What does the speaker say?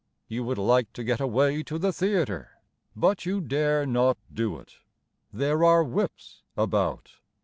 You would like to get away to the theatre, But you dare not do it: There are Whips about.